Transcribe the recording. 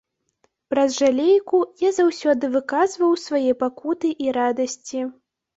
Праз жалейку я заўсёды выказваў свае пакуты і радасці.